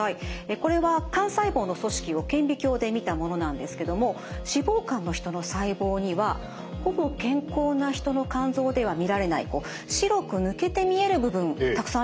これは肝細胞の組織を顕微鏡で見たものなんですけども脂肪肝の人の細胞にはほぼ健康な人の肝臓では見られない白く抜けて見える部分たくさんありますよね。